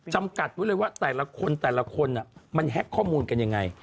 จำกัดไว้เลยว่าแต่ละคนมันแฮ็กข้อมูลกันอย่างไร